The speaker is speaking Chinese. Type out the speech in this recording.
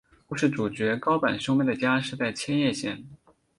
故事主角高坂兄妹的家是在千叶县。